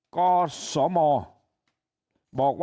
กศมบอกว่า